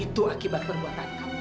itu akibat perbuatan kamu